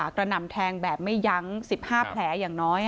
กระหน่ำแทงแบบไม่ยั้ง๑๕แผลอย่างน้อย